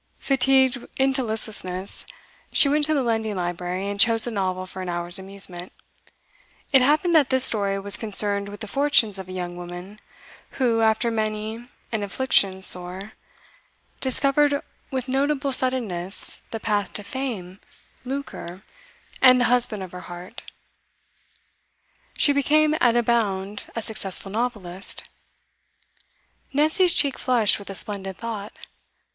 Fatigued into listlessness, she went to the lending library, and chose a novel for an hour's amusement. It happened that this story was concerned with the fortunes of a young woman who, after many an affliction sore, discovered with notable suddenness the path to fame, lucre, and the husband of her heart: she became at a bound a successful novelist. Nancy's cheek flushed with a splendid thought.